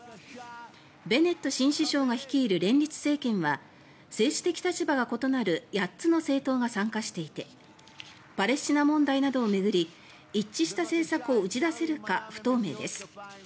ベネット新首相が率いる連立政権は政治的立場が異なる８つの政党が参加していてパレスチナ問題などを巡り一致した政策を打ち出せるか不透明です。